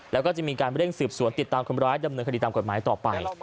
แล้วก็จะมีการเร่งสืบสวนติดตามคนร้ายดำเนินคดีตามกฎหมายต่อไป